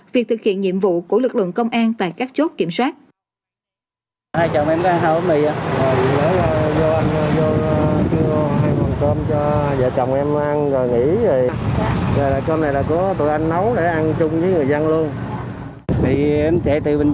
việc thực hiện nhiệm vụ của lực lượng công an tại các chốt kiểm soát